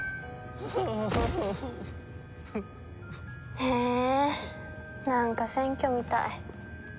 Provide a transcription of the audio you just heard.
へえなんか選挙みたい。